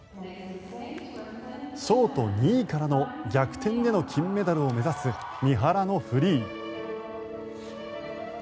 ショート２位からの逆転での金メダルを目指す三原のフリー。